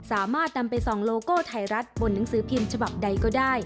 สามารถนำไปส่องโลโก้ไทยรัฐบนหนังสือพิมพ์ฉบับใดก็ได้